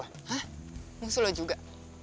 hah musuh lo juga